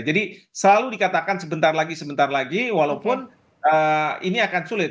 jadi selalu dikatakan sebentar lagi sebentar lagi walaupun ini akan sulit